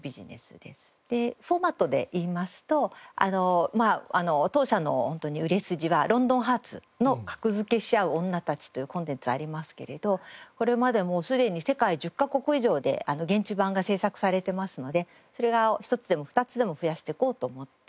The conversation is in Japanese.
でフォーマットでいいますとまあ当社の売れ筋は『ロンドンハーツ』の「格付けしあう女たち」というコンテンツありますけれどこれまでもうすでに世界１０カ国以上で現地版が制作されてますのでそれは１つでも２つでも増やしていこうと思っています。